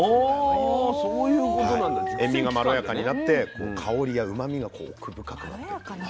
はい塩味がまろやかになって香りやうまみが奥深くなってるという。